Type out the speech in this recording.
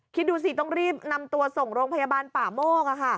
คิดดูสิต้องรีบนำตัวส่งโรงพยาบาลป่าโมก